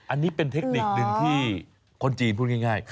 อันนี้เป็นเทคนิคหนึ่งที่คนจีนพูดง่าย